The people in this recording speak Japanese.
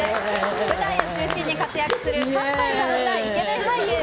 舞台を中心に活躍する関西が生んだイケメン俳優。